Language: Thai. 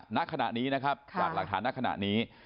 ณขณะนี้นะครับจากหลักฐานในขณะนี้